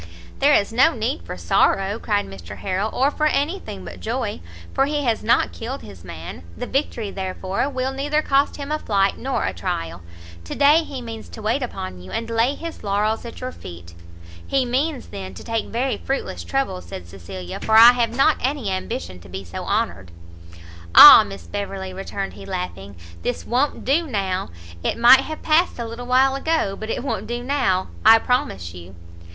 "There is no need for sorrow," cried Mr Harrel, "or for any thing but joy, for he has not killed his man; the victory, therefore, will neither cost him a flight nor a trial. To day he means to wait upon you, and lay his laurels at your feet." "He means, then, to take very fruitless trouble," said Cecilia, "for I have not any ambition to be so honoured." "Ah, Miss Beverley," returned he, laughing, "this won't do now! it might have passed a little while ago, but it won't do now, I promise you!"